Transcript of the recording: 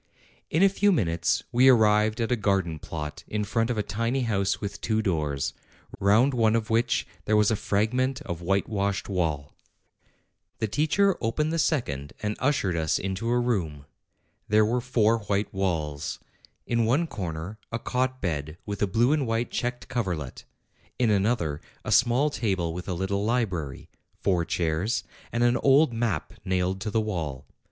In a few minutes we arrived at a garden plot in front of a tiny house with two doors, round one of which there was a fragment of whitewashed wall. The teacher opened the second and ushered us into a room. There were four white walls : in one corner a cot bed with a blue and white checked coverlet; in another, a small table with a little library ; four chairs, and an old map nailed to the wall.